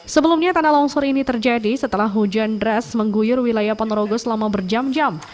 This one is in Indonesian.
sebelumnya tanah longsor ini terjadi setelah hujan deras mengguyur wilayah ponorogo selama berjam jam